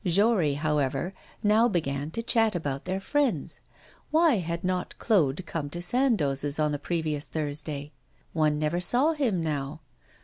Jory, however, now began to chat about their friends. Why had not Claude come to Sandoz's on the previous Thursday? One never saw him now.